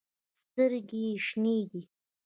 سترګې ېې شنې دي